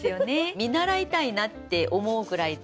見習いたいなって思うぐらいです。